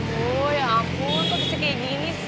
aduh ya ampun kok bisa kayak gini sih